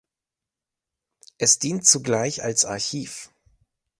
Es dient zugleich als Archiv.